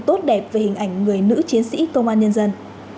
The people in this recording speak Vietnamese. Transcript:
tốt đẹp về hình ảnh người nữ chiến sĩ công an nhân dân